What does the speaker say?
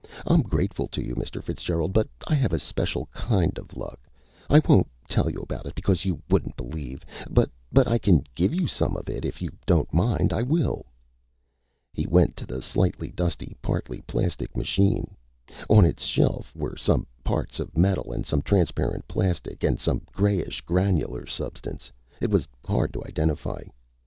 "I'm grateful to you, Mr. Fitzgerald, but I have a special kind of luck. I won't tell you about it because you wouldn't believe but but I can give you some of it. If you don't mind, I will." He went to the slightly dusty, partly plastic machine. On its shelf were some parts of metal, and some of transparent plastic, and some grayish, granular substance it was hard to identify.